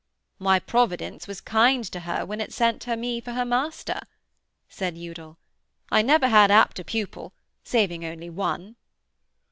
'Why, Providence was kind to her when it sent her me for her master,' Udal said. 'I never had apter pupil saving only one.'